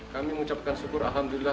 kami mengucapkan syukur alhamdulillah